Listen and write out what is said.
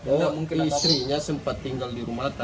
oh istrinya sempat tinggal di rumah